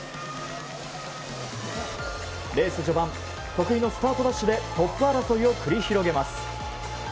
レース序盤得意のスタートダッシュでトップ争いを繰り広げます。